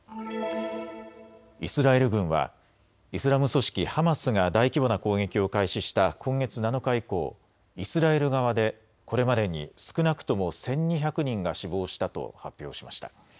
イスラエル軍はイスラム組織ハマスが大規模な攻撃を開始した今月７日以降、イスラエル側でこれまでに少なくとも１２００人が死亡したと発表しました。